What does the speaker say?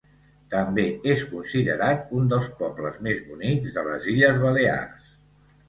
També és considerat un dels pobles més bonics de les Illes Balears.